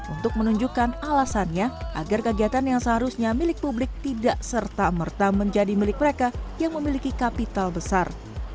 untuk menunjukkan alasannya agar kegiatan yang seharusnya milik publik tidak serta merta menjadi milik mereka yang memiliki kapital besar